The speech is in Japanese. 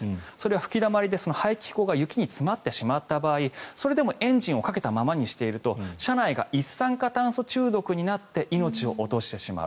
吹きだまりで排気口が雪に詰まってしまった場合それでもエンジンをかけたままにすると車内が一酸化炭素中毒になって命を落としてしまう。